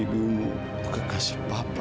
ibumu kekasih papa